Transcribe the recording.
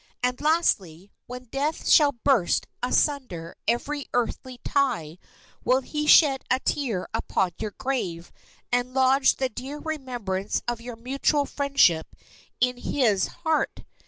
And, lastly, when death shall burst asunder every earthly tie, will he shed a tear upon your grave, and lodge the dear remembrance of your mutual friendship in his heart?